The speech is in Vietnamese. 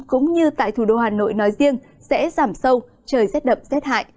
cũng như tại thủ đô hà nội nói riêng sẽ giảm sâu trời rét đậm rét hại